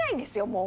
もう。